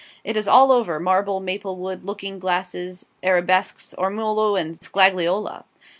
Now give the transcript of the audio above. It is all over marble, maplewood, looking glasses, arabesques, ormolu, and scagliola.